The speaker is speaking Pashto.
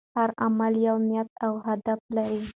هر عمل یو نیت او هدف لري.